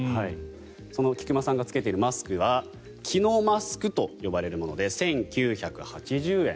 その菊間さんが着けているマスクはＫＩＮＯＭＡＳＫと呼ばれるもので１９８０円。